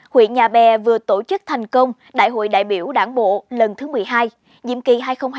huyện nhà bè vừa tổ chức thành công đại hội đại biểu đảng bộ lần thứ một mươi hai nhiệm kỳ hai nghìn hai mươi hai nghìn hai mươi năm